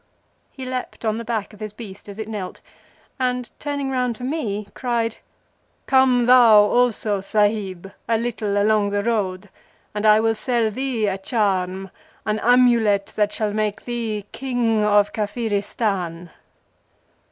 He leaped on the back of his beast as it knelt, and turning round to me, cried:— "Come thou also, Sahib, a little along the road, and I will sell thee a charm—an amulet that shall make thee King of Kafiristan."